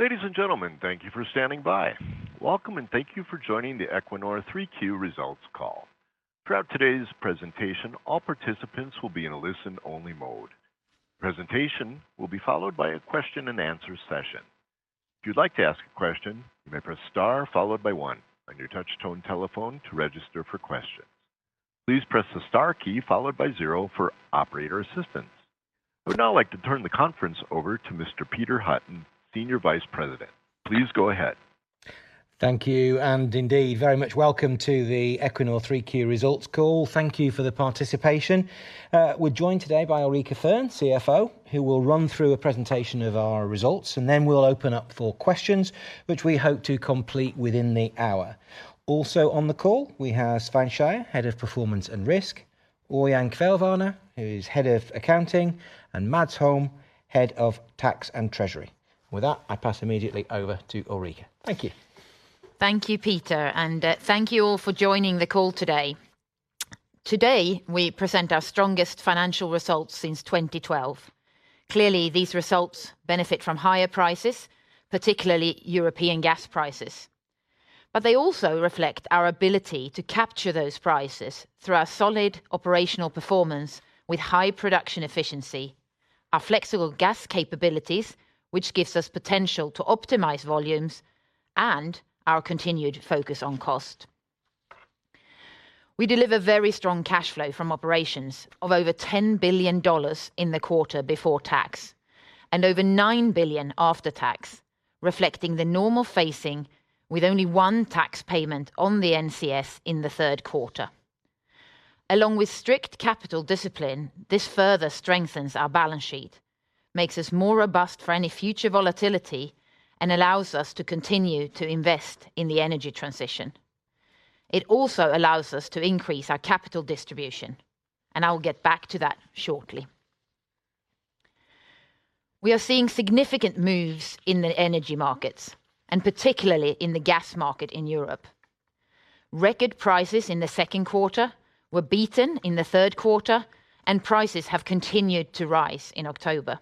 Ladies and gentlemen, thank you for standing by. Welcome and thank you for joining the Equinor Q3 results call. Throughout today's presentation, all participants will be in a listen-only mode. Presentation will be followed by a question-and-answer session. If you'd like to ask a question, you may press star followed by one on your touch tone telephone to register for questions. Please press the star key followed by zero for operator assistance. I would now like to turn the conference over to Mr. Peter Hutton, Senior Vice President. Please go ahead. Thank you, and indeed, very much welcome to the Equinor Q3 results call. Thank you for the participation. We're joined today by Ulrica Fearn, Chief Financial Officer, who will run through a presentation of our results, and then we'll open up for questions, which we hope to complete within the hour. Also on the call, we have Svein Skeie, Head of Performance and Risk, Ørjan Kvelvane, who is Head of Accounting, and Mads Holm, Head of Tax and Treasury. With that, I pass immediately over to Ulrica. Thank you. Thank you, Peter, and thank you all for joining the call today. Today, we present our strongest financial results since 2012. Clearly, these results benefit from higher prices, particularly European gas prices. They also reflect our ability to capture those prices through our solid operational performance with high production efficiency, our flexible gas capabilities, which gives us potential to optimize volumes, and our continued focus on cost. We deliver very strong cash flow from operations of over $10 billion in the quarter before tax, and over $9 billion after tax, reflecting the normal phasing with only one tax payment on the NCS in the third quarter. Along with strict capital discipline, this further strengthens our balance sheet, makes us more robust for any future volatility, and allows us to continue to invest in the energy transition. It also allows us to increase our capital distribution, and I will get back to that shortly. We are seeing significant moves in the energy markets, and particularly in the gas market in Europe. Record prices in the second quarter were beaten in the third quarter, and prices have continued to rise in October.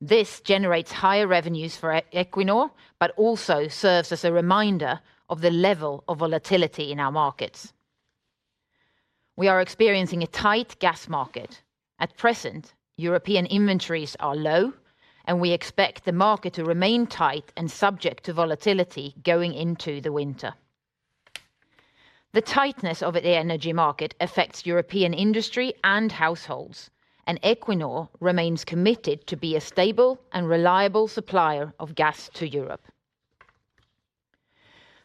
This generates higher revenues for Equinor, but also serves as a reminder of the level of volatility in our markets. We are experiencing a tight gas market. At present, European inventories are low, and we expect the market to remain tight and subject to volatility going into the winter. The tightness of the energy market affects European industry and households, and Equinor remains committed to be a stable and reliable supplier of gas to Europe.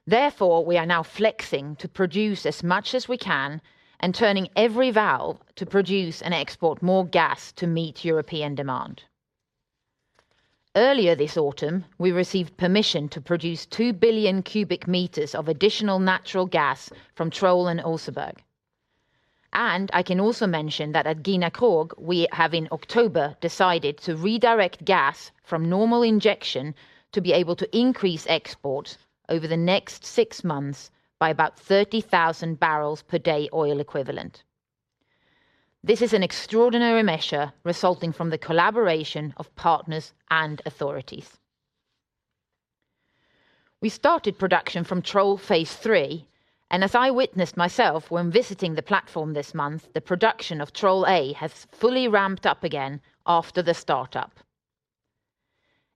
Therefore, we are now flexing to produce as much as we can and turning every valve to produce and export more gas to meet European demand. Earlier this autumn, we received permission to produce 2 billion cubic meters of additional natural gas from Troll and Oseberg. I can also mention that at Gina Krog, we have in October decided to redirect gas from normal injection to be able to increase exports over the next 6 months by about 30,000 barrels per day oil equivalent. This is an extraordinary measure resulting from the collaboration of partners and authorities. We started production from Troll Phase 3, and as I witnessed myself when visiting the platform this month, the production of Troll A has fully ramped up again after the startup.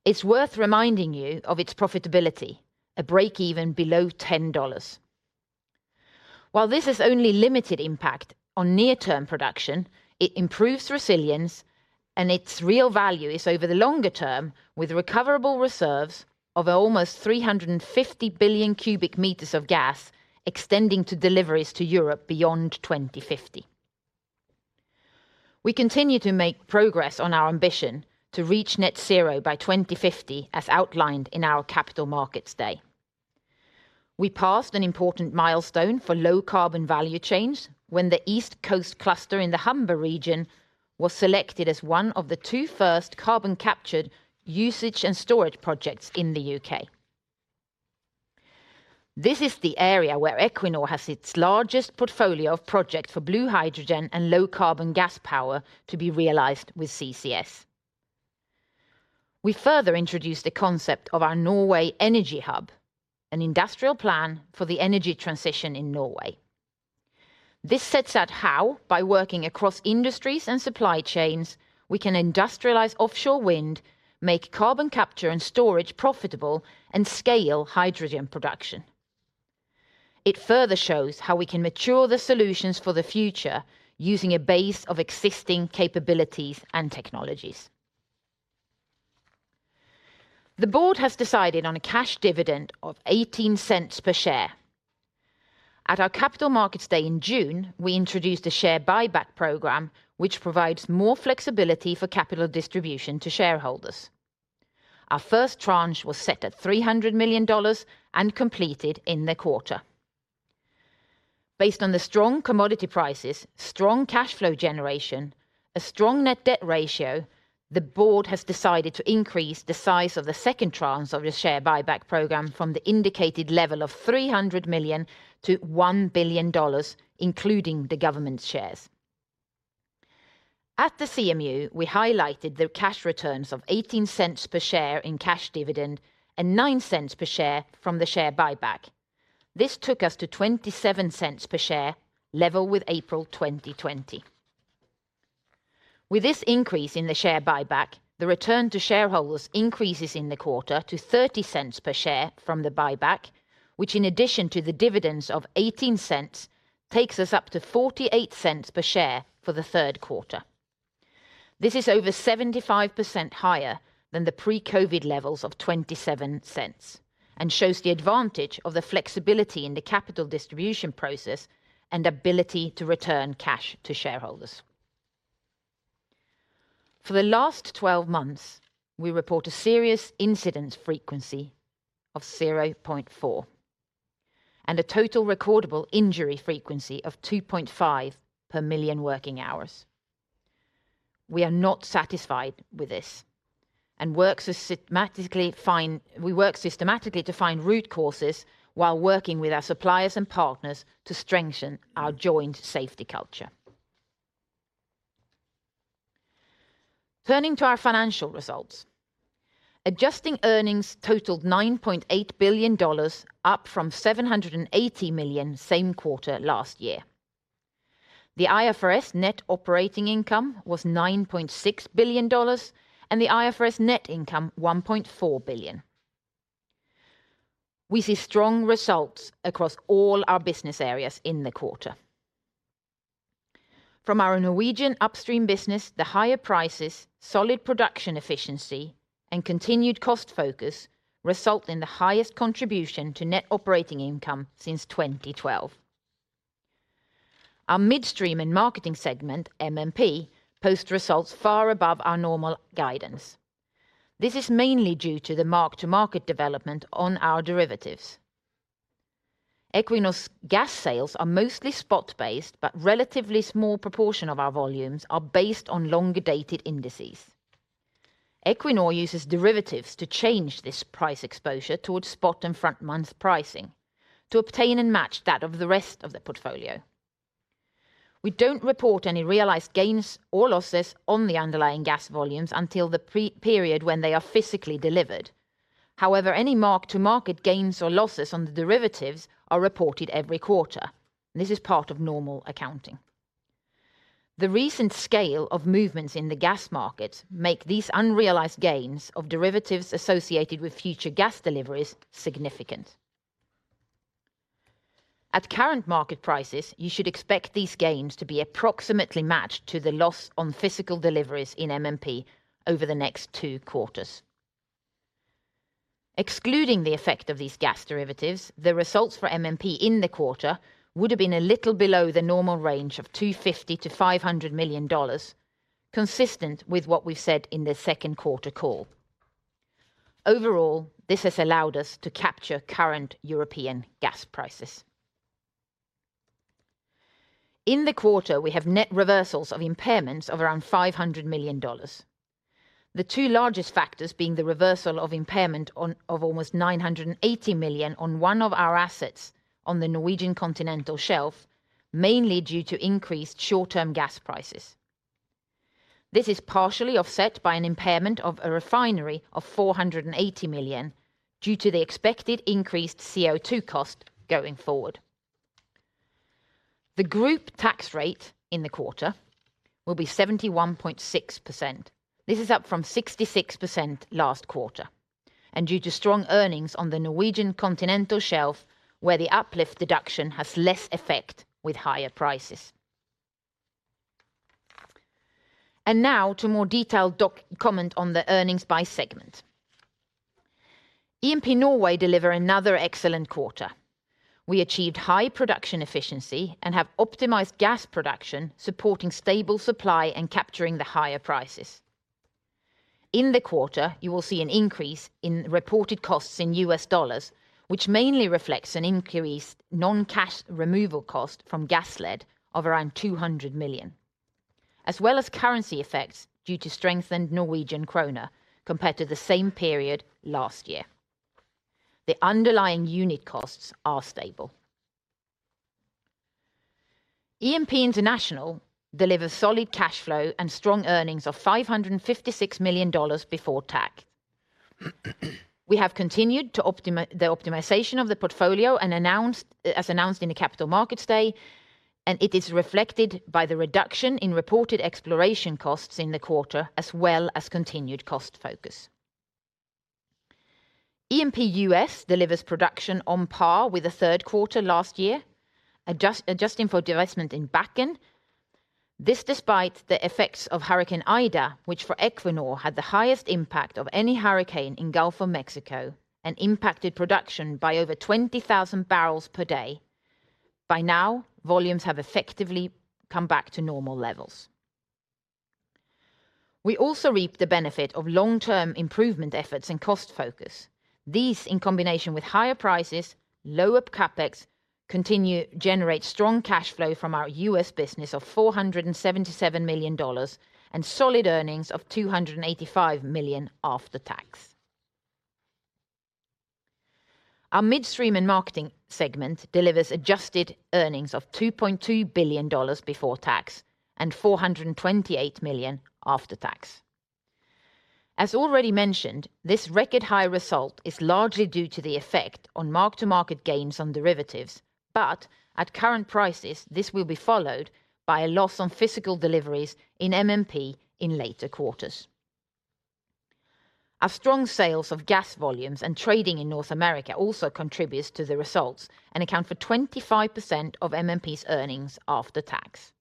It's worth reminding you of its profitability, a break even below $10. While this has only limited impact on near term production, it improves resilience, and its real value is over the longer term with recoverable reserves of almost 350 billion cubic meters of gas extending to deliveries to Europe beyond 2050. We continue to make progress on our ambition to reach net zero by 2050 as outlined in our Capital Markets Day. We passed an important milestone for low carbon value chains when the East Coast cluster in the Humber region was selected as one of the two first carbon capture, usage and storage projects in the U.K. This is the area where Equinor has its largest portfolio of projects for blue hydrogen and low carbon gas power to be realized with CCS. We further introduced the concept of our Norway Energy Hub, an industrial plan for the energy transition in Norway. This sets out how, by working across industries and supply chains, we can industrialize offshore wind, make carbon capture and storage profitable, and scale hydrogen production. It further shows how we can mature the solutions for the future using a base of existing capabilities and technologies. The board has decided on a cash dividend of $0.18 per share. At our Capital Markets Day in June, we introduced a share buyback program, which provides more flexibility for capital distribution to shareholders. Our first tranche was set at $300 million and completed in the quarter. Based on the strong commodity prices, strong cash flow generation, a strong net debt ratio, the board has decided to increase the size of the second tranche of the share buyback program from the indicated level of $300 million-$1 billion, including the government shares. At the CMD, we highlighted the cash returns of $0.18 per share in cash dividend and $0.09 per share from the share buyback. This took us to $0.27 per share level with April 2020. With this increase in the share buyback, the return to shareholders increases in the quarter to $0.30 per share from the buyback, which in addition to the dividends of $0.18 takes us up to $0.48 per share for the third quarter. This is over 75% higher than the pre-COVID levels of $0.27 and shows the advantage of the flexibility in the capital distribution process and ability to return cash to shareholders. For the last 12 months, we report a serious incident frequency of 0.4 and a total recordable injury frequency of 2.5 per million working hours. We are not satisfied with this. We work systematically to find root causes while working with our suppliers and partners to strengthen our joint safety culture. Turning to our financial results. Adjusting earnings totaled $9.8 billion, up from $780 million same quarter last year. The IFRS net operating income was $9.6 billion and the IFRS net income $1.4 billion. We see strong results across all our business areas in the quarter. From our Norwegian upstream business, the higher prices, solid production efficiency, and continued cost focus result in the highest contribution to net operating income since 2012. Our Midstream and Marketing segment, MMP, post results far above our normal guidance. This is mainly due to the mark-to-market development on our derivatives. Equinor's gas sales are mostly spot-based, but a relatively small proportion of our volumes are based on longer-dated indices. Equinor uses derivatives to change this price exposure towards spot and front-month pricing to obtain and match that of the rest of the portfolio. We don't report any realized gains or losses on the underlying gas volumes until the prior period when they are physically delivered. However, any mark-to-market gains or losses on the derivatives are reported every quarter. This is part of normal accounting. The recent scale of movements in the gas markets make these unrealized gains of derivatives associated with future gas deliveries significant. At current market prices, you should expect these gains to be approximately matched to the loss on physical deliveries in MMP over the next two quarters. Excluding the effect of these gas derivatives, the results for MMP in the quarter would have been a little below the normal range of $250 million-$500 million, consistent with what we've said in the second quarter call. Overall, this has allowed us to capture current European gas prices. In the quarter, we have net reversals of impairments of around $500 million. The two largest factors are the reversal of impairment of almost $980 million on one of our assets on the Norwegian continental shelf, mainly due to increased short-term gas prices. This is partially offset by an impairment of a refinery of $480 million due to the expected increased CO2 cost going forward. The group tax rate in the quarter will be 71.6%. This is up from 66% last quarter and due to strong earnings on the Norwegian continental shelf where the uplift deduction has less effect with higher prices. Now to more detailed comment on the earnings by segment. E&P Norway deliver another excellent quarter. We achieved high production efficiency and have optimized gas production, supporting stable supply and capturing the higher prices. In the quarter, you will see an increase in reported costs in U.S. dollars, which mainly reflects an increased non-cash removal cost from Gassled of around $200 million, as well as currency effects due to strengthened Norwegian kroner compared to the same period last year. The underlying unit costs are stable. E&P International delivers solid cash flow and strong earnings of $556 million before tax. We have continued the optimization of the portfolio as announced in the Capital Markets Day, and it is reflected by the reduction in reported exploration costs in the quarter as well as continued cost focus. E&P USA delivers production on par with the third quarter last year, adjusting for divestment in Bakken. This despite the effects of Hurricane Ida, which for Equinor had the highest impact of any hurricane in Gulf of Mexico and impacted production by over 20,000 barrels per day. By now, volumes have effectively come back to normal levels. We also reap the benefit of long-term improvement efforts and cost focus. These, in combination with higher prices, lower CapEx, continue generate strong cash flow from our U.S. business of $477 million and solid earnings of $285 million after tax. Our midstream and marketing segment delivers adjusted earnings of $2.2 billion before tax and $428 million after tax. As already mentioned, this record high result is largely due to the effect on mark-to-market gains on derivatives. At current prices, this will be followed by a loss on physical deliveries in MMP in later quarters. Our strong sales of gas volumes and trading in North America also contributes to the results and account for 25% of MMP's earnings after tax.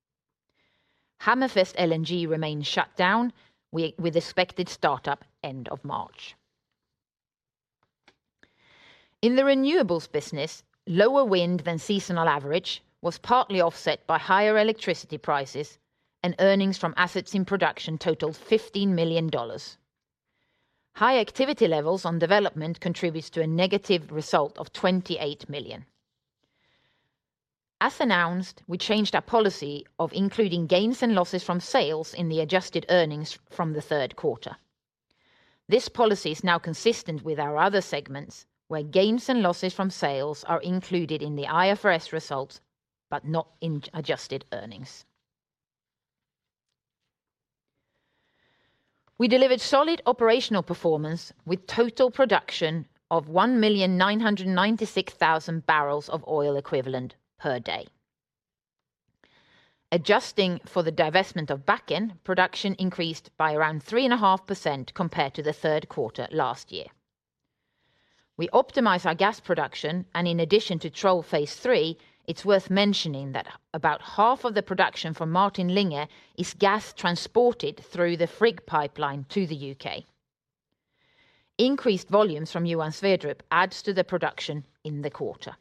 Hammerfest LNG remains shut down with expected startup end of March. In the renewables business, lower wind than seasonal average was partly offset by higher electricity prices, and earnings from assets in production totaled $15 million. High activity levels on development contributes to a negative result of -$28 million. As announced, we changed our policy of including gains and losses from sales in the adjusted earnings from the third quarter. This policy is now consistent with our other segments, where gains and losses from sales are included in the IFRS results, but not in adjusted earnings. We delivered solid operational performance with total production of 1,996,000 barrels of oil equivalent per day. Adjusting for the divestment of Bakken, production increased by around 3.5% compared to the third quarter last year. We optimize our gas production, and in addition to Troll phase III, it's worth mentioning that about half of the production from Martin Linge is gas transported through the Frigg pipeline to the U.K. Increased volumes from Johan Sverdrup adds to the production in the quarter.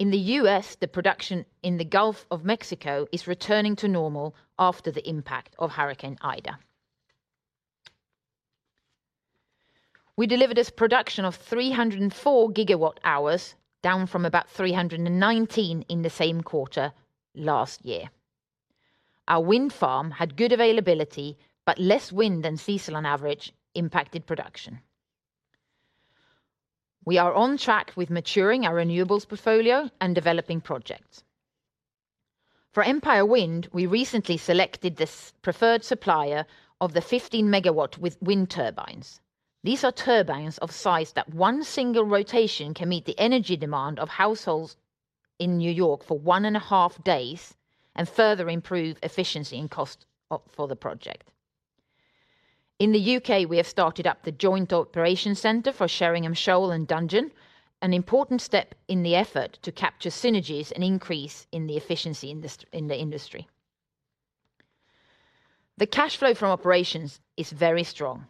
In the U.S., the production in the Gulf of Mexico is returning to normal after the impact of Hurricane Ida. We delivered this production of 304 GWh, down from about 319 GWh in the same quarter last year. Our wind farm had good availability, but less wind than seasonal on average impacted production. We are on track with maturing our renewables portfolio and developing projects. For Empire Wind, we recently selected the preferred supplier for the 15 MW wind turbines. These are turbines of size that one single rotation can meet the energy demand of households in New York for 1.5 days and further improve efficiency and cost for the project. In the U.K., we have started up the joint operation center for Sheringham Shoal and Dudgeon, an important step in the effort to capture synergies and increase in the efficiency in the industry. The cash flow from operations is very strong,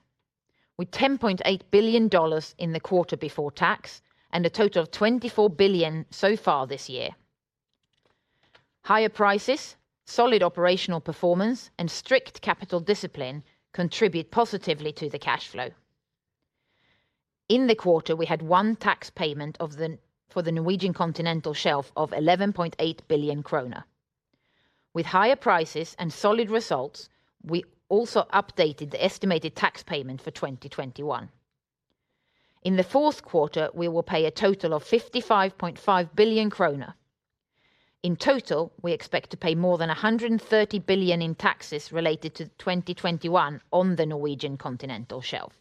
with $10.8 billion in the quarter before tax and a total of $24 billion so far this year. Higher prices, solid operational performance, and strict capital discipline contribute positively to the cash flow. In the quarter, we had one tax payment for the Norwegian continental shelf of 11.8 billion kroner. With higher prices and solid results, we also updated the estimated tax payment for 2021. In the fourth quarter, we will pay a total of 55.5 billion kroner. In total, we expect to pay more than 130 billion in taxes related to 2021 on the Norwegian continental shelf.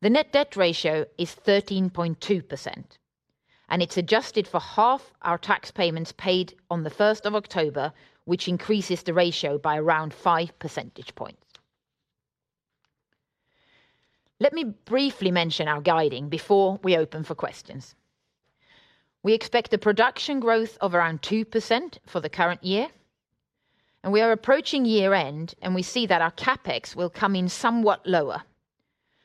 The net debt ratio is 13.2%, and it's adjusted for half our tax payments paid on the first of October, which increases the ratio by around five percentage points. Let me briefly mention our guidance before we open for questions. We expect a production growth of around 2% for the current year. We are approaching year-end, and we see that our CapEx will come in somewhat lower.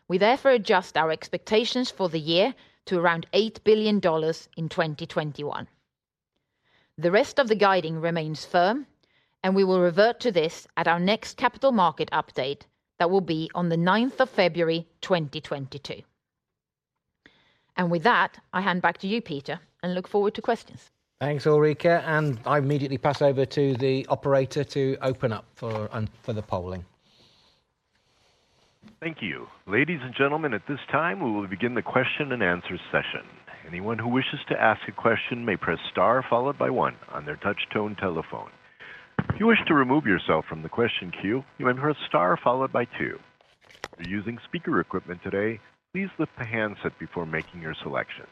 We therefore adjust our expectations for the year to around $8 billion in 2021. The rest of the guidance remains firm, and we will revert to this at our next capital markets update that will be on the February 9th, 2022. With that, I hand back to you, Peter, and look forward to questions. Thanks, Ulrica, and I immediately pass over to the operator to open up for the polling. Thank you. Ladies and gentlemen, at this time, we will begin the question-and-answer session. Anyone who wishes to ask a question may press star followed by one on their touch-tone telephone. If you wish to remove yourself from the question queue, you may press star followed by two. If you're using speaker equipment today, please lift the handset before making your selections.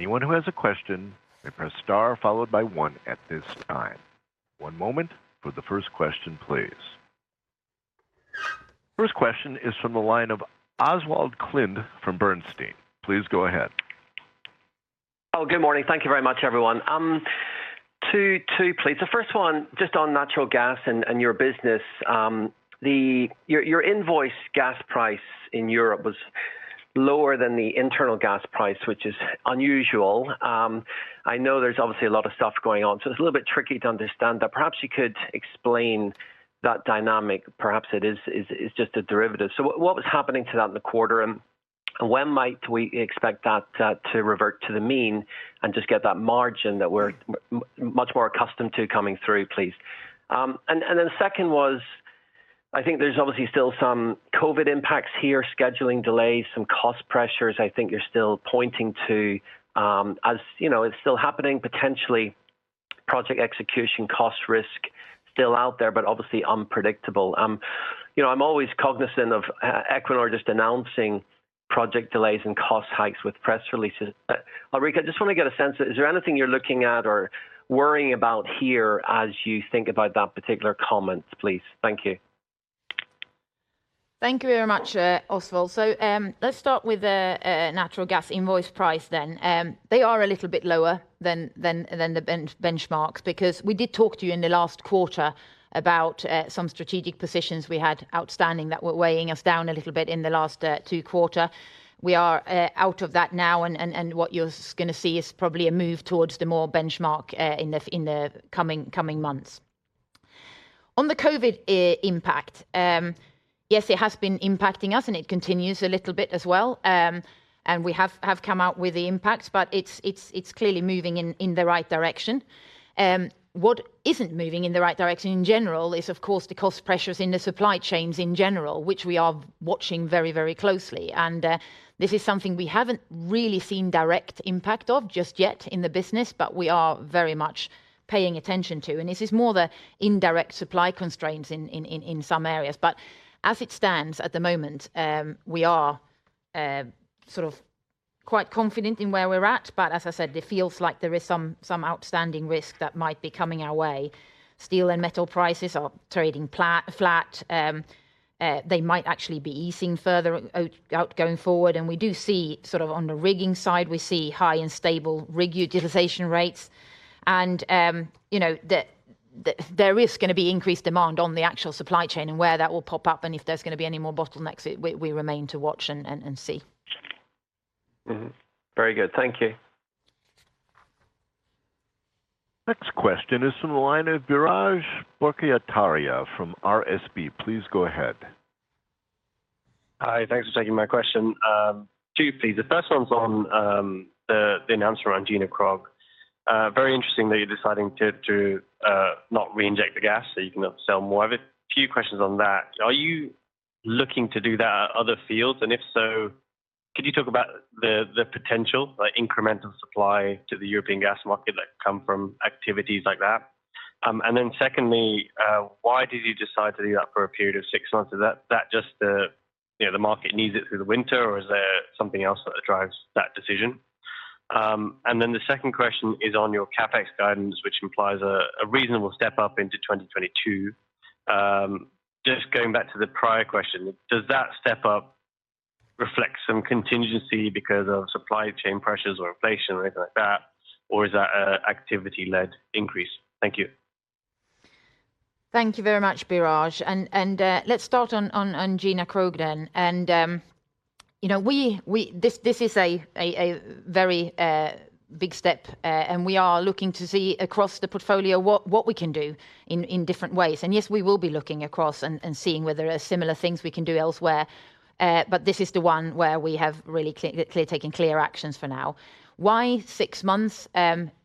Anyone who has a question may press star followed by one at this time. One moment for the first question, please. First question is from the line of Oswald Clint from Bernstein. Please go ahead. Oh, good morning. Thank you very much, everyone. Two, please. The first one, just on natural gas and your business. Your invoice gas price in Europe was lower than the internal gas price, which is unusual. I know there's obviously a lot of stuff going on, so it's a little bit tricky to understand that. Perhaps you could explain that dynamic. Perhaps it is just a derivative. So what was happening to that in the quarter, and when might we expect that to revert to the mean and just get that margin that we're much more accustomed to coming through, please? And then second was I think there's obviously still some COVID impacts here, scheduling delays, some cost pressures I think you're still pointing to, as you know, it's still happening potentially project execution, cost risk still out there, but obviously unpredictable. You know, I'm always cognizant of Equinor just announcing project delays and cost hikes with press releases. Ulrica, I just want to get a sense of is there anything you're looking at or worrying about here as you think about that particular comment, please? Thank you. Thank you very much, Oswald. Let's start with the natural gas invoice price then. They are a little bit lower than the benchmarks, because we did talk to you in the last quarter about some strategic positions we had outstanding that were weighing us down a little bit in the last two quarters. We are out of that now, and what you're gonna see is probably a move towards the benchmark in the coming months. On the COVID impact. Yes, it has been impacting us, and it continues a little bit as well. We have come out with the impact, but it's clearly moving in the right direction. What isn't moving in the right direction in general is of course the cost pressures in the supply chains in general, which we are watching very, very closely. This is something we haven't really seen direct impact of just yet in the business, but we are very much paying attention to. This is more the indirect supply constraints in some areas. As it stands at the moment, we are sort of quite confident in where we're at. As I said, it feels like there is some outstanding risk that might be coming our way. Steel and metal prices are trading flat. They might actually be easing further out going forward. We do see sort of on the rigging side, we see high and stable rig utilization rates. You know, there is gonna be increased demand on the actual supply chain and where that will pop up and if there's gonna be any more bottlenecks, we remain to watch and see. Mm-hmm. Very good. Thank you. Next question is from the line of Biraj Borkhataria from RBC Capital Markets. Please go ahead. Hi, thanks for taking my question. Two please. The first one's on the announcement around Gina Krog. Very interesting that you're deciding to not reinject the gas, so you can sell more of it. Few questions on that. Are you looking to do that at other fields? And if so, could you talk about the potential, like incremental supply to the European gas market that come from activities like that? And then secondly, why did you decide to do that for a period of six months? Is that just the, you know, the market needs it through the winter or is there something else that drives that decision? And then the second question is on your CapEx guidance, which implies a reasonable step up into 2022. Just going back to the prior question, does that step up reflect some contingency because of supply chain pressures or inflation or anything like that? Or is that an activity-led increase? Thank you. Thank you very much, Biraj. Let's start on Gina Krog then. You know, this is a very big step, and we are looking to see across the portfolio what we can do in different ways. Yes, we will be looking across and seeing where there are similar things we can do elsewhere. But this is the one where we have really clearly taken clear actions for now. Why six months?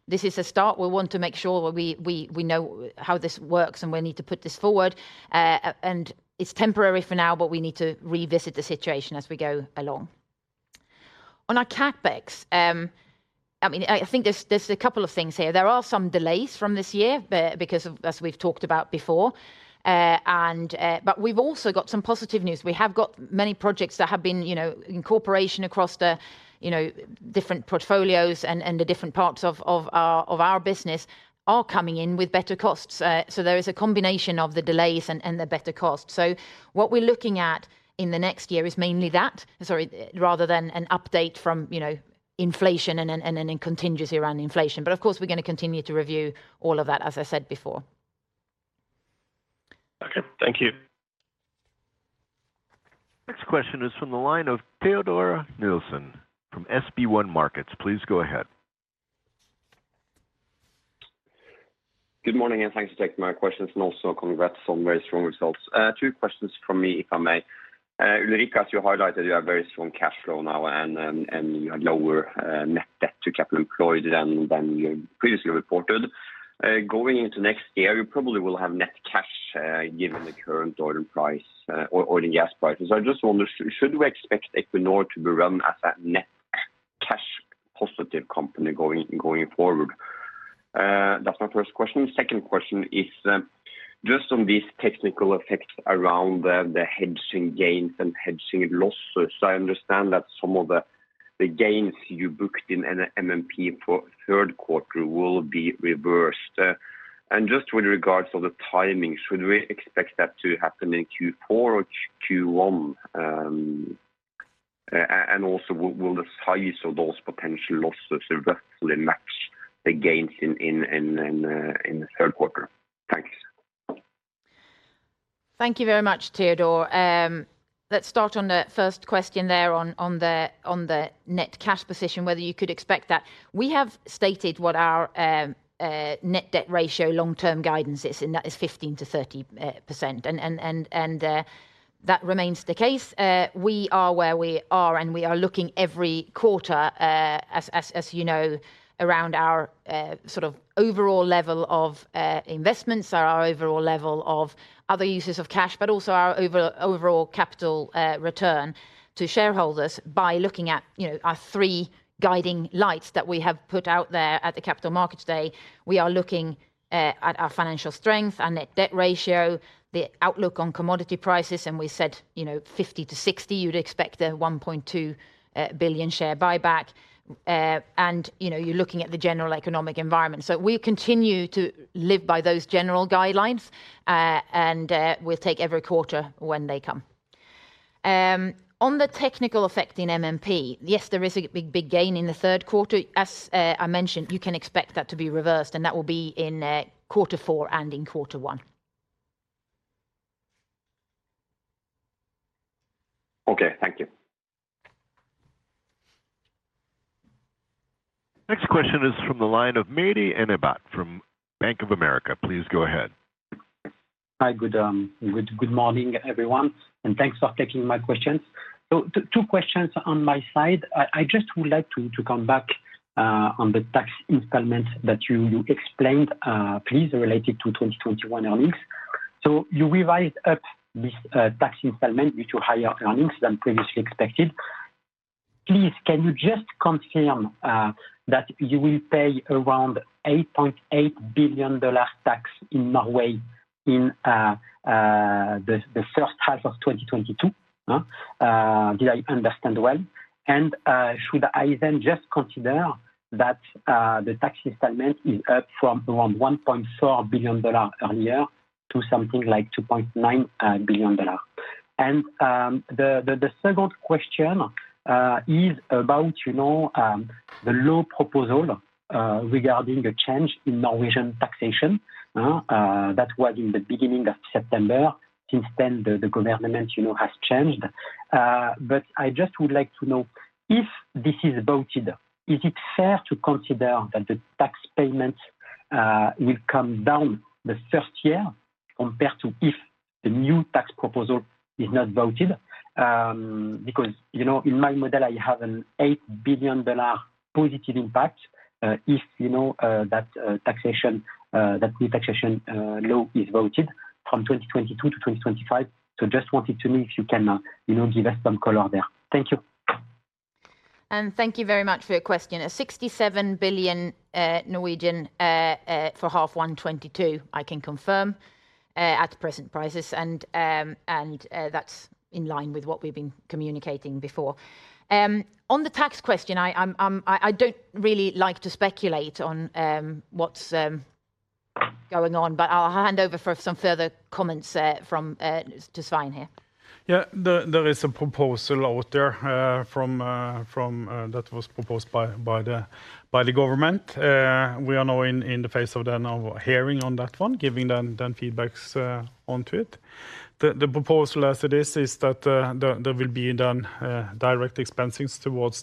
This is a start. We want to make sure we know how this works, and we need to put this forward. And it's temporary for now, but we need to revisit the situation as we go along. On our CapEx, I mean, I think there's a couple of things here. There are some delays from this year because of, as we've talked about before. We've also got some positive news. We have got many projects that have been, you know, in cooperation across the, you know, different portfolios and the different parts of our business are coming in with better costs. There is a combination of the delays and the better costs. What we're looking at in the next year is mainly that, sorry, rather than an update from, you know, inflation and then a contingency around inflation. Of course, we're gonna continue to review all of that, as I said before. Okay. Thank you. Next question is from the line of Teodor Sveen-Nilsen from SB1 Markets. Please go ahead. Good morning, and thanks for taking my questions and also congrats on very strong results. Two questions from me, if I may. Ulrica, as you highlighted, you have very strong cash flow now and you have lower net debt to capital employed than you previously reported. Going into next year, you probably will have net cash given the current oil price or oil and gas prices. So I just wonder, should we expect Equinor to be run as a net cash positive company going forward? That's my first question. Second question is just on these technical effects around the hedging gains and hedging losses. I understand that some of the gains you booked in N-MMP for third quarter will be reversed. Just with regards to the timing, should we expect that to happen in Q4 or Q1? Also, will the size of those potential losses roughly match the gains in the third quarter? Thanks. Thank you very much, Teodor Sveen-Nilsen. Let's start on the first question there on the net cash position, whether you could expect that. We have stated what our net debt ratio long-term guidance is, and that is 15%-30%. That remains the case. We are where we are, and we are looking every quarter, as you know, around our sort of overall level of investments or our overall level of other uses of cash, but also our overall capital return to shareholders by looking at, you know, our three guiding lights that we have put out there at the Capital Markets Day. We are looking at our financial strength and net debt ratio, the outlook on commodity prices, and we said, you know, $50-$60, you'd expect a $1.2 billion share buyback, and, you know, you're looking at the general economic environment. We continue to live by those general guidelines, and we'll take every quarter when they come. On the technical effect in MMP, yes, there is a big gain in the third quarter. As I mentioned, you can expect that to be reversed, and that will be in quarter four and in quarter one. Okay, thank you. Next question is from the line of Mehdi Ennebati from Bank of America. Please go ahead. Hi, good morning, everyone, and thanks for taking my questions. Two questions on my side. I just would like to come back on the tax installment that you explained, please related to 2021 earnings. You revised up this tax installment due to higher earnings than previously expected. Please, can you just confirm that you will pay around $8.8 billion tax in Norway in the first half of 2022? Did I understand well? Should I then just consider that the tax installment is up from around $1.4 billion earlier to something like $2.9 billion? The second question is about the law proposal regarding a change in Norwegian taxation that was in the beginning of September. Since then, the government you know has changed. I just would like to know, if this is voted, is it fair to consider that the tax payment will come down the first year compared to if the new tax proposal is not voted? Because you know, in my model, I have an $8 billion positive impact if you know that new taxation law is voted from 2022-2025. Just wanted to know if you can give us some color there. Thank you. Thank you very much for your question. 67 billion for H1 2022, I can confirm at present prices, and that's in line with what we've been communicating before. On the tax question, I don't really like to speculate on what's going on, but I'll hand over for some further comments to Svein here. Yeah. There is a proposal out there that was proposed by the government. We are now in the phase of the hearing on that one, giving them feedback on it. The proposal as it is is that there will be done direct expensing towards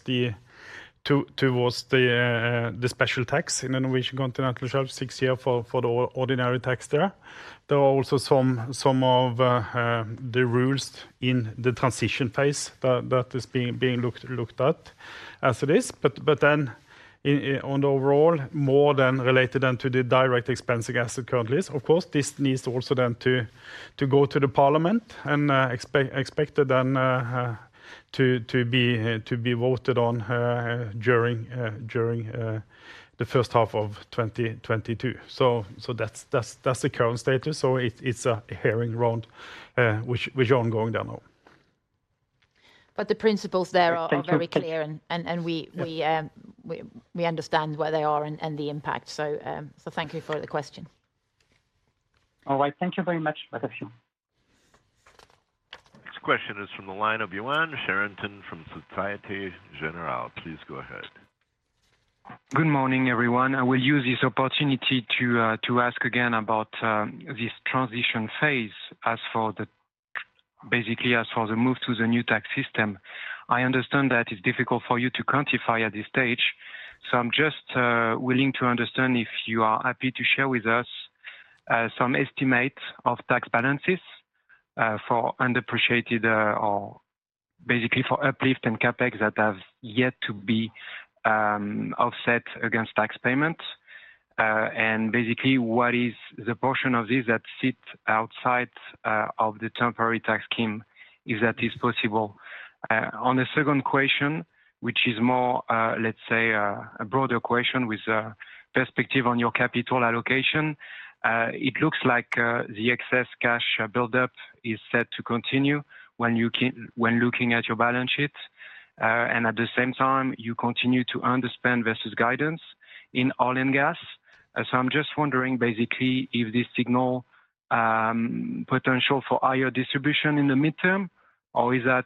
the special tax in the Norwegian continental shelf, six-year for the ordinary tax there. There are also some of the rules in the transition phase that is being looked at as it is. Then on the overall, more than related to the direct expensing against it currently. Of course, this needs also then to go to the parliament and expect it then to be voted on during the first half of 2022. That's the current status. It's a hearing round, which is ongoing now. The principles there are. Thank you. Very clear and we understand where they are and the impact. Thank you for the question. All right. Thank you very much. Bye-bye. Next question is from the line of Yoann Charenton from Société Générale. Please go ahead. Good morning, everyone. I will use this opportunity to ask again about this transition phase basically, as for the move to the new tax system. I understand that it's difficult for you to quantify at this stage, so I'm just willing to understand if you are happy to share with us some estimates of tax balances for undepreciated or basically for uplift and CapEx that have yet to be offset against tax payments. What is the portion of this that sits outside of the temporary tax scheme, if that is possible? On the second question, which is more let's say a broader question with a perspective on your capital allocation, it looks like the excess cash buildup is set to continue when looking at your balance sheets. At the same time, you continue to underspend versus guidance in oil and gas. I'm just wondering basically if this signal potential for higher distribution in the midterm, or is that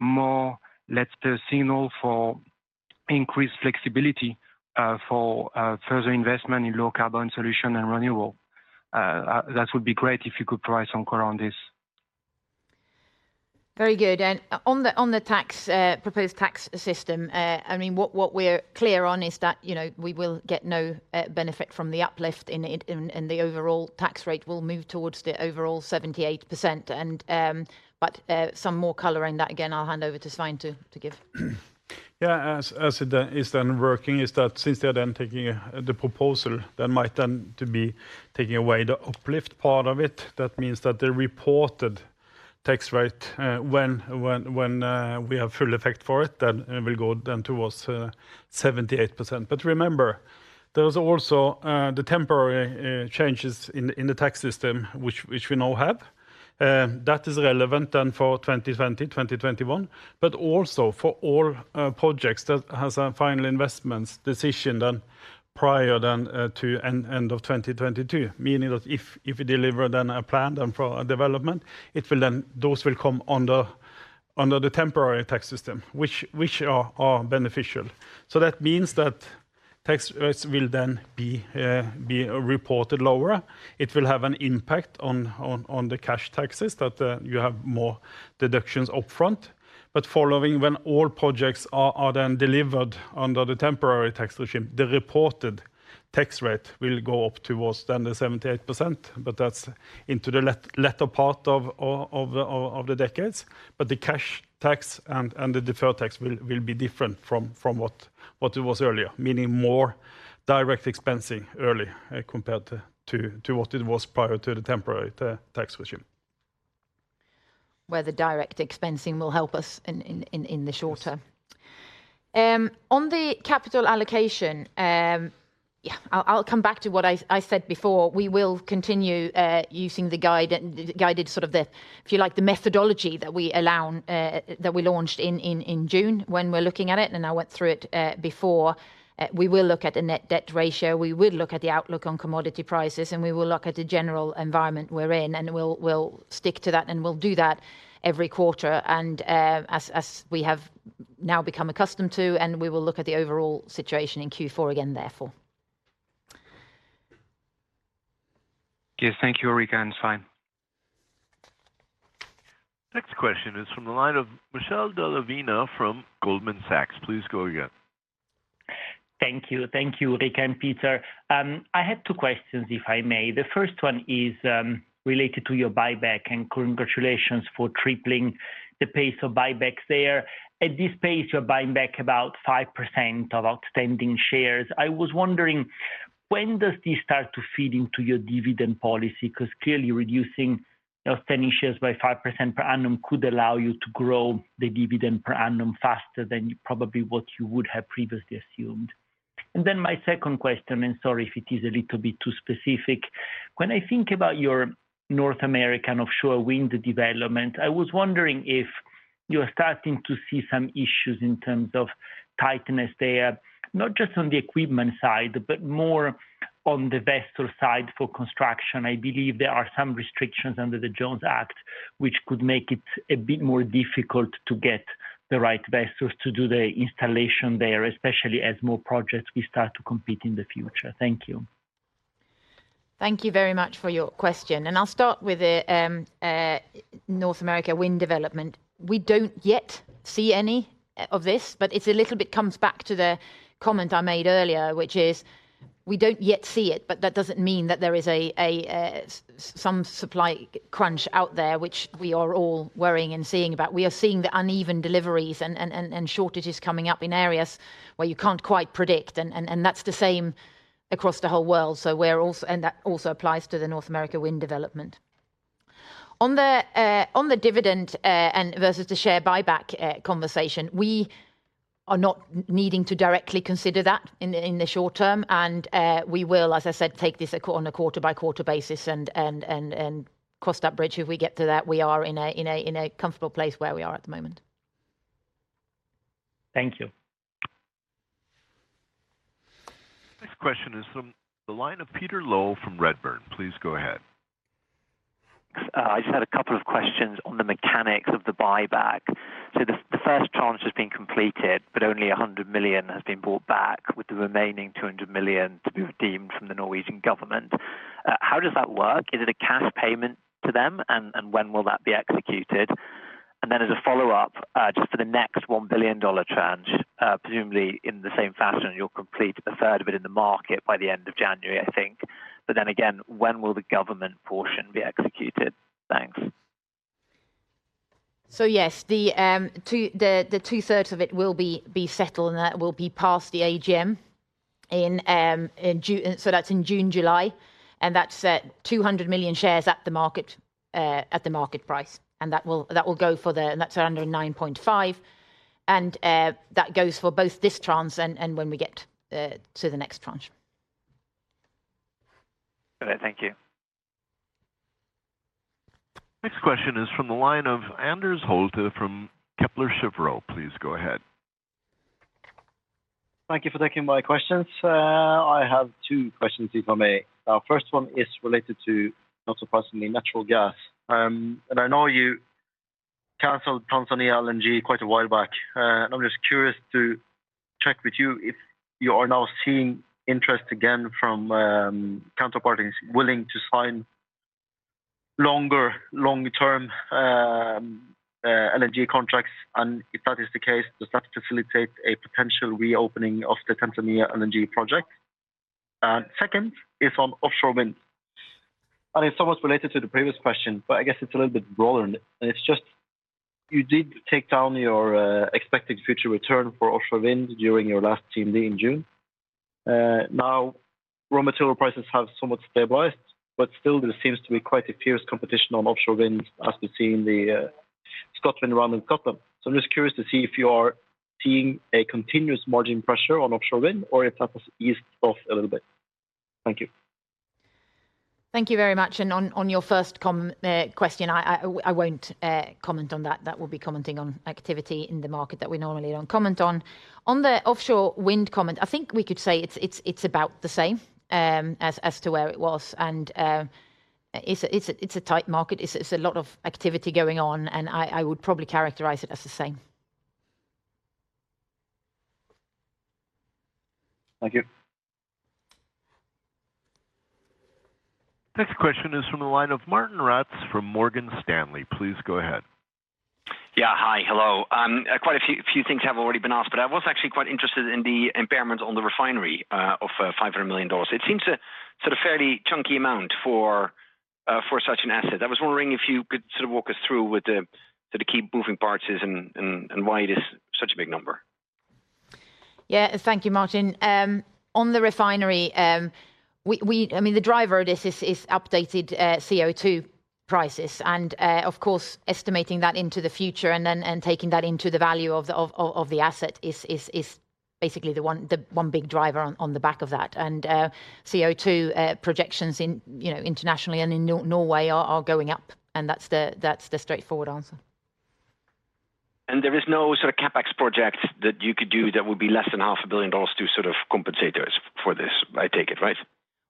more, let's say, a signal for increased flexibility for further investment in low-carbon solution and renewable? That would be great if you could provide some color on this. Very good. On the proposed tax system, I mean, what we're clear on is that, you know, we will get no benefit from the uplift in the overall tax rate. We'll move towards the overall 78%. Some more color in that, again, I'll hand over to Svein to give. Yeah. As it is working is that since they are taking the proposal that might be taking away the uplift part of it, that means that the reported tax rate, when we have full effect for it will go towards 78%. Remember, there is also the temporary changes in the tax system which we now have. That is relevant for 2020, 2021, but also for all projects that has a final investment decision prior to the end of 2022. Meaning that if we deliver a plan for a development, those will come under the temporary tax system, which are beneficial. That means that tax rates will then be reported lower. It will have an impact on the cash taxes that you have more deductions upfront. Following when all projects are then delivered under the temporary tax regime, the reported tax rate will go up towards the 78%, but that's into the latter part of the decades. The cash tax and the deferred tax will be different from what it was earlier, meaning more direct expensing early compared to what it was prior to the temporary tax regime. Where the direct expensing will help us in the shorter. Yes. On the capital allocation, yeah, I'll come back to what I said before. We will continue using the guided, if you like, the methodology that we follow that we launched in June when we're looking at it, and I went through it before. We will look at the net debt ratio, we will look at the outlook on commodity prices, and we will look at the general environment we're in, and we'll stick to that, and we'll do that every quarter and, as we have now become accustomed to, and we will look at the overall situation in Q4 again therefore. Yes. Thank you, Ulrica and Svein. Next question is from the line of Michele Della Vigna from Goldman Sachs. Please go ahead. Thank you. Thank you, Ulrica and Peter. I had two questions, if I may. The first one is related to your buyback, and congratulations for tripling the pace of buybacks there. At this pace, you're buying back about 5% of outstanding shares. I was wondering, when does this start to feed into your dividend policy? 'Cause clearly reducing outstanding shares by 5% per annum could allow you to grow the dividend per annum faster than probably what you would have previously assumed. Then my second question, and sorry if it is a little bit too specific. When I think about your North American offshore wind development, I was wondering if you are starting to see some issues in terms of tightness there, not just on the equipment side, but more on the vessel side for construction. I believe there are some restrictions under the Jones Act which could make it a bit more difficult to get the right vessels to do the installation there, especially as more projects will start to compete in the future. Thank you. Thank you very much for your question. I'll start with the North America wind development. We don't yet see any of this, but it's a little bit comes back to the comment I made earlier, which is we don't yet see it, but that doesn't mean that there is some supply crunch out there, which we are all worrying and seeing about. We are seeing the uneven deliveries and shortages coming up in areas where you can't quite predict and that's the same across the whole world. That also applies to the North America wind development. On the dividend and versus the share buyback conversation, we are not needing to directly consider that in the short term. We will, as I said, take this on a quarter-by-quarter basis and cross that bridge if we get to that. We are in a comfortable place where we are at the moment. Thank you. Next question is from the line of Peter Low from Redburn Atlantic. Please go ahead. I just had a couple of questions on the mechanics of the buyback. The first tranche has been completed, but only $100 million has been bought back with the remaining $200 million to be redeemed from the Norwegian government. How does that work? Is it a cash payment to them? And when will that be executed? Then as a follow-up, just for the next $1 billion tranche, presumably in the same fashion, you'll complete a 1/3 of it in the market by the end of January, I think. Then again, when will the government portion be executed? Thanks. Yes. The 2/3 of it will be settled, and that will be past the AGM in June, July, and that's at 200 million shares at the market price. That will go for the. That's around 9.5. That goes for both this tranche and when we get to the next tranche. Okay, thank you. Next question is from the line of Anders Holte from Kepler Cheuvreux. Please go ahead. Thank you for taking my questions. I have two questions if I may. First one is related to, not surprisingly, natural gas. I know you canceled Tanzania LNG quite a while back. I'm just curious to Check with you if you are now seeing interest again from counterparties willing to sign longer-term LNG contracts. If that is the case, does that facilitate a potential reopening of the Tanzania LNG project? Second is on offshore wind. It's almost related to the previous question, but I guess it's a little bit broader. It's just you did take down your expected future return for offshore wind during your last CMD in June. Now raw material prices have somewhat stabilized, but still there seems to be quite a fierce competition on offshore wind as we see in the Scotland round. So I'm just curious to see if you are seeing a continuous margin pressure on offshore wind or if that was eased off a little bit. Thank you. Thank you very much. On your first question, I won't comment on that. That will be commenting on activity in the market that we normally don't comment on. On the offshore wind comment, I think we could say it's about the same as to where it was. It's a tight market. It's a lot of activity going on, and I would probably characterize it as the same. Thank you. Next question is from the line of Martijn Rats from Morgan Stanley. Please go ahead. Yeah, hi. Hello. Quite a few things have already been asked, but I was actually quite interested in the impairment on the refinery of $500 million. It seems a sort of fairly chunky amount for such an asset. I was wondering if you could sort of walk us through what the sort of key moving parts is and why it is such a big number. Yeah, thank you, Martijn. On the refinery, I mean, the driver of this is updated CO₂ prices. Of course, estimating that into the future and then taking that into the value of the asset is basically the one big driver on the back of that. CO2 projections in, you know, internationally and in Norway are going up, and that's the straightforward answer. There is no sort of CapEx project that you could do that would be less than $500 million to sort of compensate those for this, I take it, right?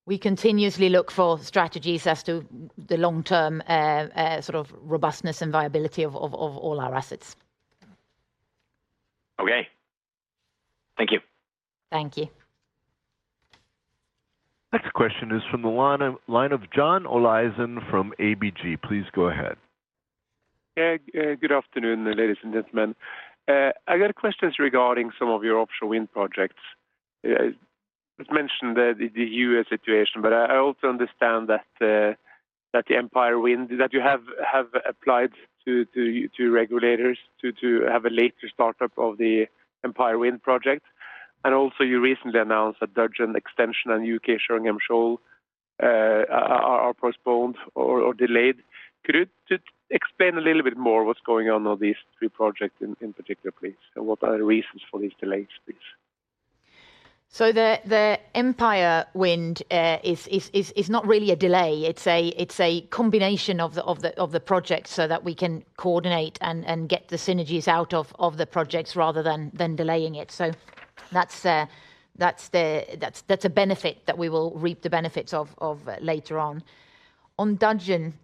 We continuously look for strategies as to the long-term, sort of robustness and viability of all our assets. Okay. Thank you. Thank you. Next question is from the line of John Olaisen from ABG Sundal Collier. Please go ahead. Yeah. Good afternoon, ladies and gentlemen. I got questions regarding some of your offshore wind projects. It's mentioned the U.S. situation, but I also understand that the Empire Wind that you have applied to regulators to have a later startup of the Empire Wind Project. Also you recently announced that Dudgeon extension and U.K. Sheringham Shoal are postponed or delayed. Could you just explain a little bit more what's going on on these three projects in particular, please? What are the reasons for these delays, please? The Empire Wind is not really a delay. It's a combination of the project so that we can coordinate and get the synergies out of the projects rather than delaying it. That's a benefit that we will reap the benefits of later on. On Dudgeon,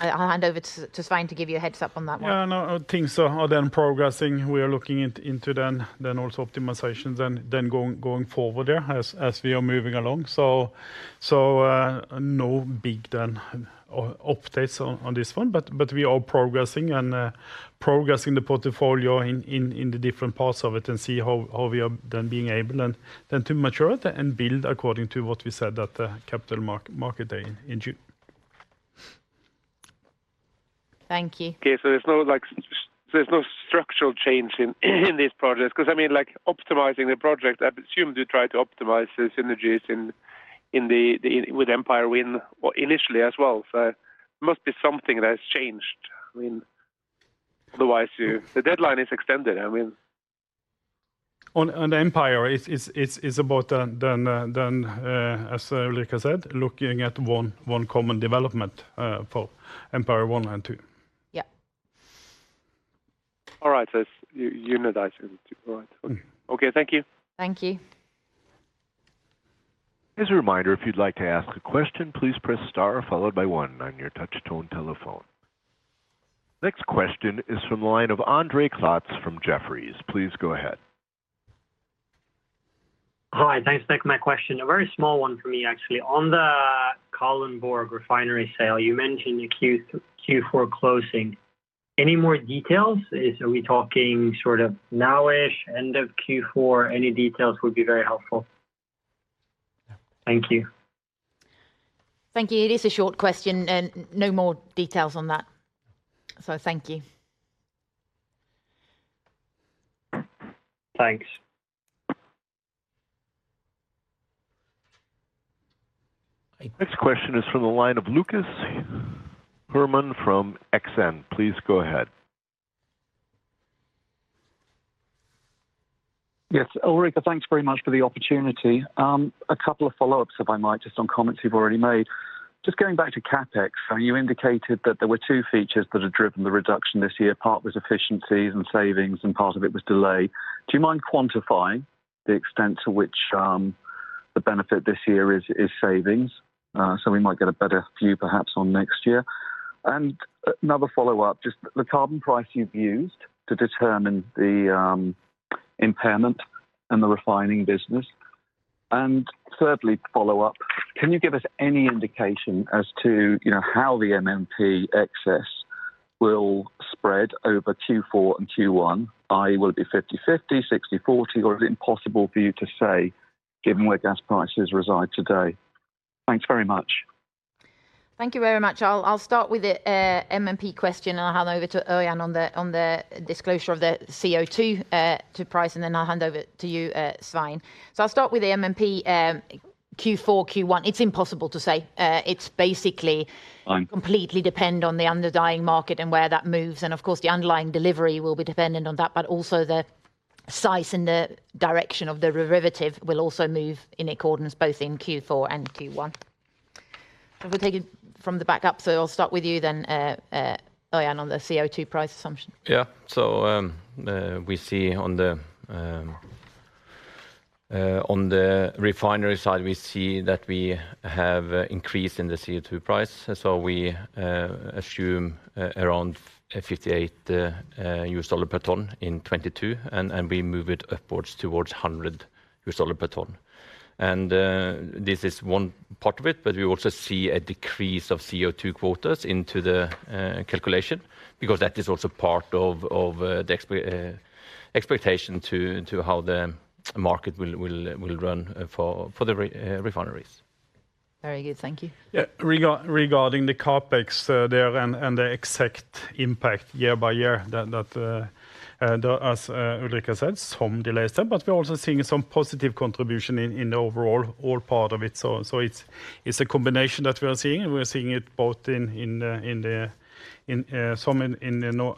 I'll hand over to Svein to give you a heads up on that one. Yeah, no. Things are progressing. We are looking into it, then also optimizations and going forward there as we are moving along. No big updates on this one. We are progressing the portfolio in the different parts of it and see how we are being able to mature it and build according to what we said at the Capital Markets Day in June. Thank you. Okay. There's no, like, structural change in these projects? Because, I mean, like, optimizing the project, I presume you try to optimize the synergies in the with Empire Wind initially as well. It must be something that has changed. I mean, otherwise, the deadline is extended, I mean. On Empire, it's about them, as Ulrica said, looking at one common development for Empire one and two. Yeah. All right. It's unitized. All right. Okay. Thank you. Thank you. As a reminder, if you'd like to ask a question, please press star followed by one on your touch tone telephone. Next question is from the line of Andre Klotz from Jefferies. Please go ahead. Hi. Thanks. Back with my question. A very small one for me, actually. On the Kalundborg refinery sale, you mentioned Q4 closing. Any more details? Are we talking sort of now-ish, end of Q4? Any details would be very helpful. Thank you. Thank you. It is a short question and no more details on that. Thank you. Thanks. Next question is from the line of Lucas Herrmann from BNP Paribas Exane. Please go ahead. Yes. Ulrica, thanks very much for the opportunity. A couple of follow-ups, if I might, just on comments you've already made. Just going back to CapEx, you indicated that there were two features that had driven the reduction this year. Part was efficiencies and savings, and part of it was delay. Do you mind quantifying the extent to which the benefit this year is savings, so we might get a better view perhaps on next year. Another follow-up, just the carbon price you've used to determine the impairment in the refining business. Thirdly follow-up: Can you give us any indication as to, you know, how the MMP excess will spread over Q4 and Q1? I.e. will it be 50/50, 60/40, or is it impossible for you to say given where gas prices reside today? Thanks very much. Thank you very much. I'll start with the MMP question, and I'll hand over to Ørjan on the disclosure of the CO₂ to price, and then I'll hand over to you, Svein. I'll start with the MMP Q4, Q1. It's impossible to say. It's basically. Um... completely depend on the underlying market and where that moves. Of course, the underlying delivery will be dependent on that, but also the size and the direction of the derivative will also move in accordance both in Q4 and Q1. If we take it from the back up, so I'll start with you then, Ørjan, on the CO₂ price assumption. Yeah. On the refinery side, we see that we have increase in the CO₂ price. We assume around $58 per ton in 2022, and we move it upwards towards $100 per ton. This is one part of it, but we also see a decrease of CO₂ quotas into the calculation because that is also part of the expectation to how the market will run for the refineries. Very good. Thank you. Yeah. Regarding the CapEx there and the exact impact year-by-year that as Ulrica said, some delays there. We're also seeing some positive contribution in the overall part of it. It's a combination that we are seeing, and we are seeing it both in the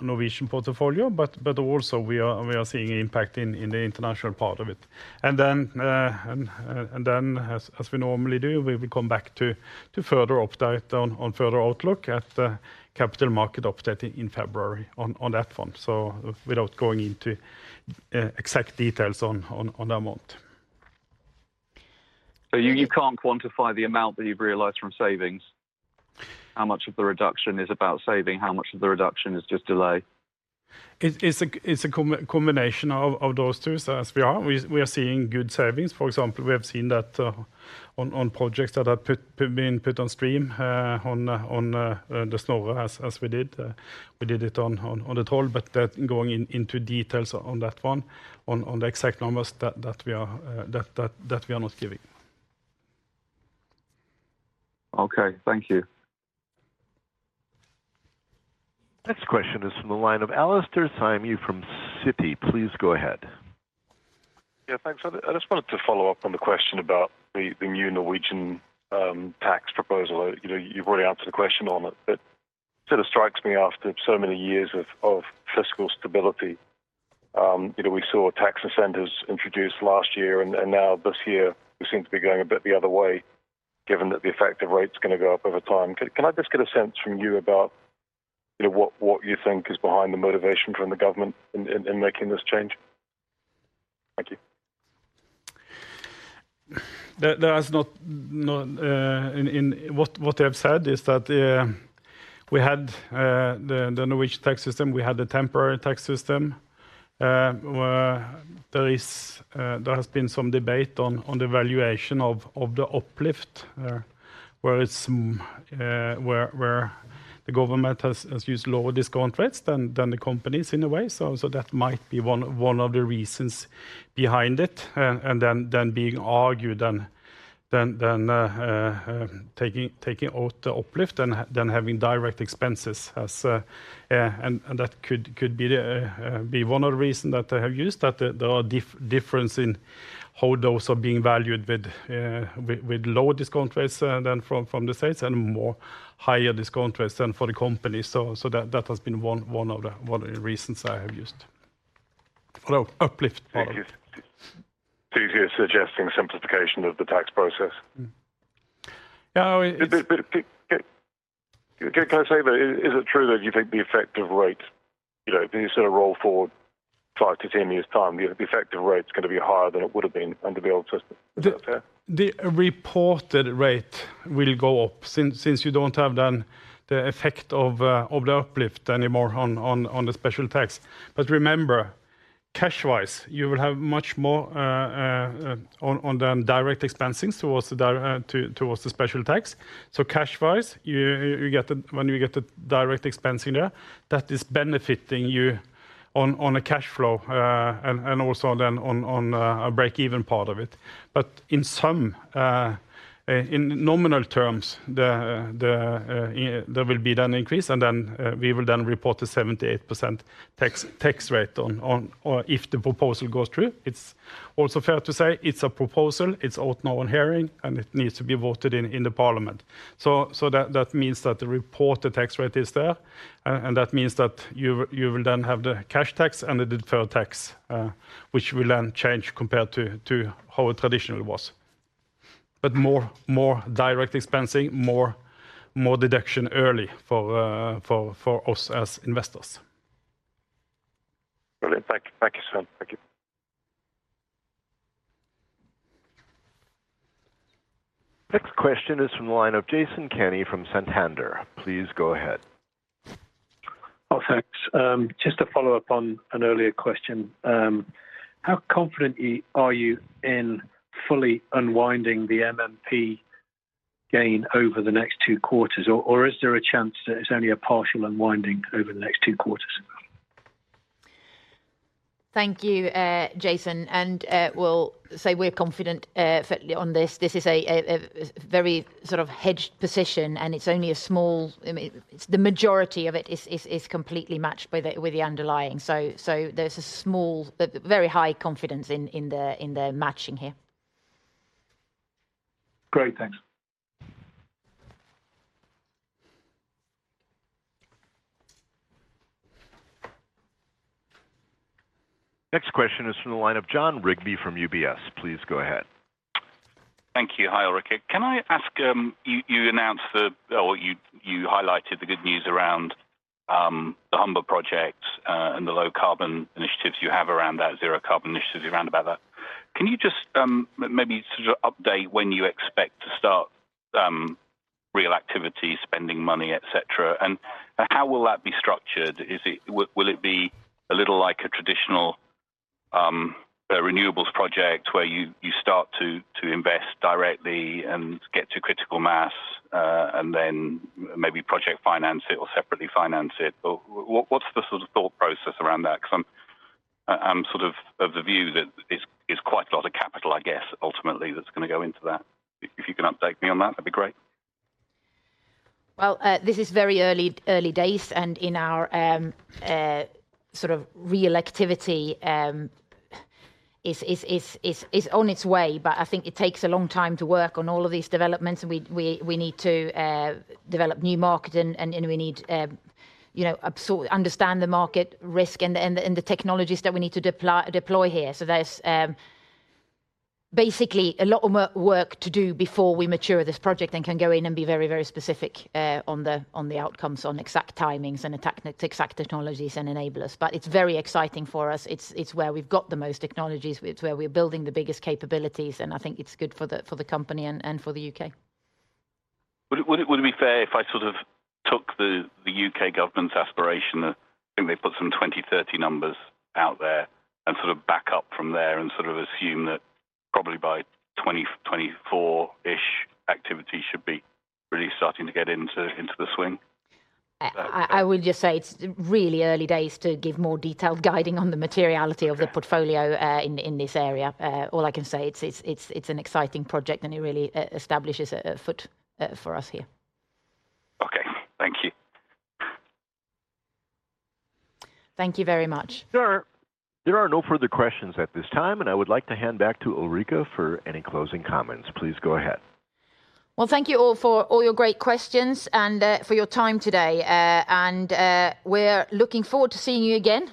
Norwegian portfolio, but also we are seeing impact in the international part of it. Then as we normally do, we will come back to further update on further outlook at capital market update in February on that front. Without going into exact details on the amount. You can't quantify the amount that you've realized from savings? How much of the reduction is about saving? How much of the reduction is just delay? It's a combination of those two. We are seeing good savings. For example, we have seen that on projects that have been put on stream on the Snorre as we did. We did it on the Troll, but going into details on that one on the exact numbers that we are not giving. Okay. Thank you. Next question is from the line of Alastair Syme from Citi. Please go ahead. Yeah. Thanks. I just wanted to follow up on the question about the new Norwegian tax proposal. You know, you've already answered the question on it, but it sort of strikes me after so many years of fiscal stability, you know, we saw tax incentives introduced last year and now this year we seem to be going a bit the other way, given that the effective rate's gonna go up over time. Can I just get a sense from you about, you know, what you think is behind the motivation from the government in making this change? Thank you. What I have said is that we had the Norwegian tax system. We had the temporary tax system, where there has been some debate on the valuation of the uplift, where the government has used lower discount rates than the companies in a way. That might be one of the reasons behind it. Being argued and then taking out the uplift and then having direct expenses as That could be one of the reason that they have used that there are difference in how those are being valued with lower discount rates than from the States and more higher discount rates than for the company. That has been one of the reasons I have used. Hello. Uplift. Thank you. You're suggesting simplification of the tax process? No. Can I say, is it true that you think the effective rate, you know, if you sort of roll forward five years to 10 years time, the effective rate's gonna be higher than it would have been under the old system? Is that fair? The reported rate will go up since you don't have then the effect of the uplift anymore on the special tax. Remember, cash-wise, you will have much more on the direct expensing towards the special tax. Cash-wise, you get the when you get the direct expensing there, that is benefiting you on a cash flow and also then on a break-even part of it. In some in nominal terms, there will be then increase and then we will then report the 78% tax rate or if the proposal goes through. It's also fair to say it's a proposal, it's out now in hearing, and it needs to be voted in the parliament. That means that the reported tax rate is there, and that means that you will then have the cash tax and the deferred tax, which will then change compared to how it traditionally was. More direct expensing, more deduction early for us as investors. Thank you, sir. Thank you. Next question is from the line of Jason Kenney from Banco Santander. Please go ahead. Oh, thanks. Just to follow up on an earlier question. How confident are you in fully unwinding the MMP gain over the next two quarters? Or, is there a chance that it's only a partial unwinding over the next two quarters? Thank you, Jason. We'll say we're confident fully on this. This is a very sort of hedged position, and it's only a small I mean, the majority of it is completely matched by with the underlying. There's a small but very high confidence in the matching here. Great. Thanks. Next question is from the line of Jon Rigby from UBS. Please go ahead. Thank you. Hi, Ulrica. Can I ask, you announced or you highlighted the good news around the Humber project, and the low carbon initiatives you have around that, zero carbon initiatives around about that. Can you just maybe sort of update when you expect to start real activity, spending money, et cetera? And how will that be structured? Will it be a little like a traditional renewables project where you start to invest directly and get to critical mass, and then maybe project finance it or separately finance it? Or what's the sort of thought process around that? Because I'm sort of of the view that it's quite a lot of capital, I guess, ultimately that's gonna go into that. If you can update me on that'd be great. Well, this is very early days, and in our sort of real activity is on its way. I think it takes a long time to work on all of these developments. We need to develop new market and we need, you know, understand the market risk and the technologies that we need to deploy here. There's basically a lot more work to do before we mature this project and can go in and be very specific on the outcomes, on exact timings and exact technologies and enablers. It's very exciting for us. It's where we've got the most technologies. It's where we're building the biggest capabilities, and I think it's good for the company and for the UK. Would it be fair if I sort of took the UK government's aspiration? I think they put some 2030 numbers out there and sort of back up from there and sort of assume that probably by 2024-ish activity should be really starting to get into the swing. I would just say it's really early days to give more detailed guidance on the materiality of the portfolio, in this area. All I can say, it's an exciting project and it really establishes a foothold for us here. Okay. Thank you. Thank you very much. There are no further questions at this time, and I would like to hand back to Ulrica for any closing comments. Please go ahead. Well, thank you all for all your great questions and for your time today. We're looking forward to seeing you again.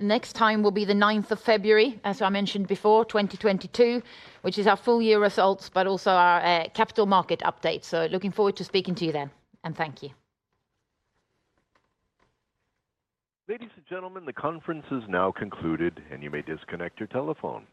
Next time will be the ninth of February, as I mentioned before, 2022, which is our full year results but also our capital market update. Looking forward to speaking to you then and thank you. Ladies and gentlemen, the conference is now concluded, and you may disconnect your telephone.